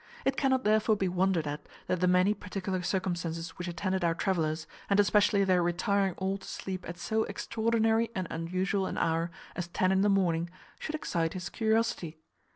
It cannot therefore be wondered at that the many particular circumstances which attended our travellers, and especially their retiring all to sleep at so extraordinary and unusual an hour as ten in the morning, should excite his curiosity.